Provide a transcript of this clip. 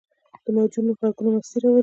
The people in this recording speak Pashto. د موجونو ږغونه مستي راولي.